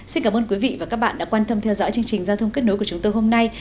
xin cảm ơn quý vị và các bạn đã quan tâm theo dõi chương trình giao thông kết nối của chúng tôi hôm nay